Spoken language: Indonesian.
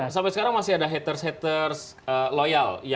sampai sekarang masih ada haters haters loyal